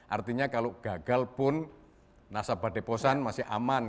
artinya kalau gagal pun nasabah deposan masih aman